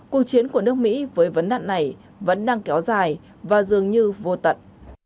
cuộc chiến của nước mỹ với vấn nạn này vẫn đang kéo dài và dường như vô tận